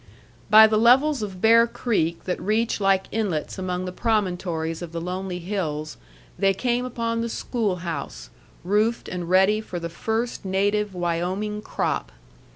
By the levels of Bear Creek that reach like inlets among the promontories of the lonely hills, they came upon the schoolhouse, roofed and ready for the first native Wyoming crop.